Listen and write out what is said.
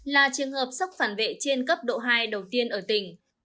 là trường hợp sốc phản vệ trên cấp độ hai đầu tiên ở tỉnh